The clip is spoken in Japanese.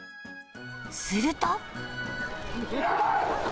すると。